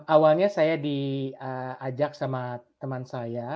awalnya saya diajak sama teman saya